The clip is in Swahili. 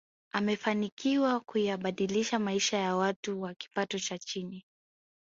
amefanikiwa kuyabadilisha maisha ya watu wa kipato cha chini